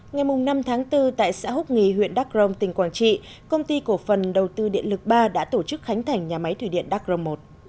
ngày năm tháng bốn tại xã húc nghì huyện đắk rông tỉnh quảng trị công ty cổ phần đầu tư điện lực ba đã tổ chức khánh thành nhà máy thủy điện đắk rồng một